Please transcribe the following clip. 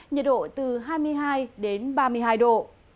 nhiệt độ từ hai mươi hai đến ba mươi hai độ